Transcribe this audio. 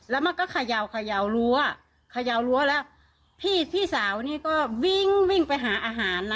แล้วมันก็เขย่าเขย่ารั้วเขย่ารั้วแล้วพี่พี่สาวนี่ก็วิ่งวิ่งไปหาอาหารนะ